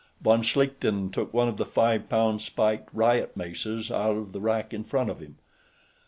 Von Schlichten took one of the five pound spiked riot maces out of the rack in front of him.